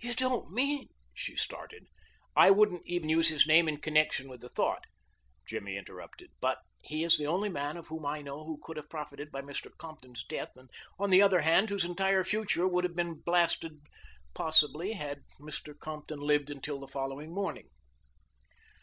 "You don't mean " she started. "I wouldn't even use his name in connection with the thought," Jimmy interrupted; "but he is the only man of whom I know who could have profited by Mr. Compton's death, and, on the other hand, whose entire future would have been blasted possibly had Mr. Compton lived until the following morning."